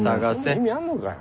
意味あんのかよ。